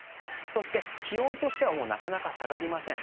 そして、気温としてはなかなか下がりません。